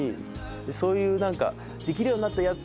そういう何かできるようになったやった！